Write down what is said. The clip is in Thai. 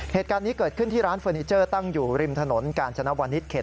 เหตุการณ์นี้เกิดขึ้นที่ร้านเฟอร์นิเจอร์ตั้งอยู่ริมถนนกาญจนวนิษฐเขต